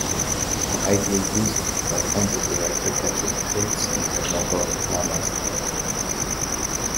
An idea used by fantasy writer Katherine Kurtz' in her novel "Lammas Night".